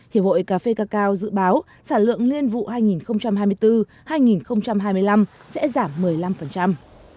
hiệp hội cà phê cà cao dự báo sản lượng liên vụ hai nghìn hai mươi bốn hai nghìn hai mươi năm sẽ giảm một mươi năm